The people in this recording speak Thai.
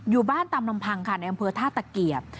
อยู่บ้านตามลำพังค่ะในอำเภอท่าตะเกียบ